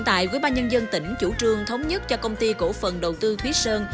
các bà nhân dân tỉnh chủ trương thống nhất cho công ty cổ phần đầu tư thúy sơn